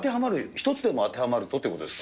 １つでも当てはまるとということですか？